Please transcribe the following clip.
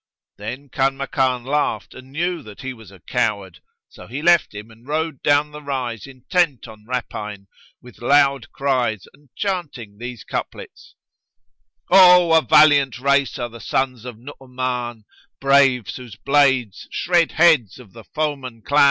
Then Kanmakan laughed and knew that he was a coward; so he left him and rode down the rise, intent on rapine, with loud cries and chanting these couplets, "Oh a valiant race are the sons of Nu'umán, * Braves whose blades shred heads of the foeman clan!